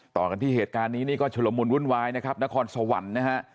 ต่อกันที่เหตุการณ์นี้นี่ก็ชุลมุนวุ่นวายนะครับนครสวรรค์นะฮะ